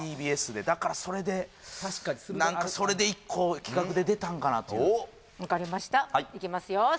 ＴＢＳでだからそれでなんかそれで一個企画で出たんかなというわかりましたいきますよ